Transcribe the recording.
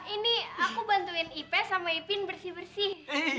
ini aku bantuin ipe sama ipin bersih bersih